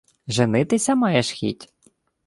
— Женитися маєш хіть?